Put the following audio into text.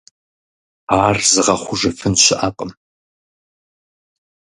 Ар зыгъэхъужыфын щыӀэкъым.